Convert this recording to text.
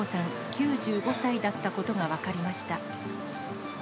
９５歳だったことが分かりました。